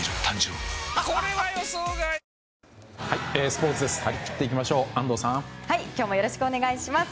スポーツです。